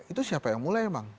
itu siapa yang mulai emang